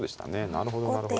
なるほどなるほど。